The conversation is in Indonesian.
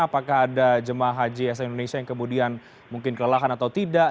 apakah ada jemaah haji yang selanjutnya kemudian mungkin kelelahan atau tidak